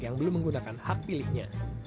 yang belum menggunakan hak pilihnya